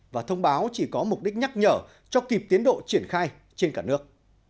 và thông báo chỉ có mục đích nhắc nhở cho kịp tiến độ triển khai trên cả nước